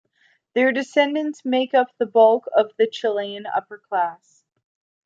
Their descendants make up the bulk of the Chilean upper-class.